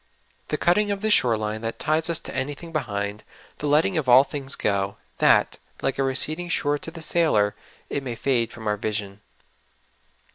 The cutting of the shore line that ties us to anything behind ; the letting of all things go, that, like a receding shore to the sailor, it may fade from our vision.